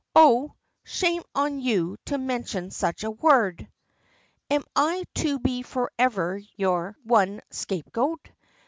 "Oh! shame on you to mention such a word." "Am I to be forever your one scapegoat?